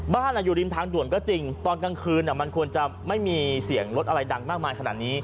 อยู่ริมทางด่วนก็จริงตอนกลางคืนมันควรจะไม่มีเสียงรถอะไรดังมากมายขนาดนี้